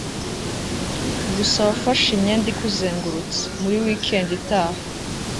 gusa wafashe imyenda ikuzengurutse, 'muri weekend itaha